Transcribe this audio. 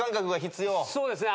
そうですね。